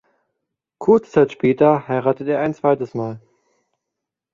Kurze Zeit später heiratete er ein zweites Mal.